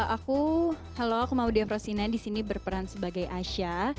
aku halo aku maudie efrosina disini berperan sebagai asya